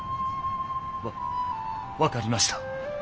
わ分かりました。